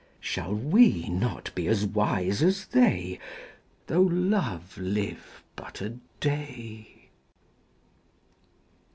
Shall we not be as wise as they Though love live but a day?